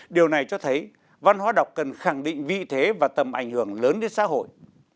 điều này cho thấy văn hóa đọc cần khẳng định vị thế và tầm ảnh hưởng lớn đến xã hội